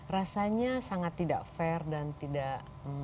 rasanya sangat tidak fair dan tidak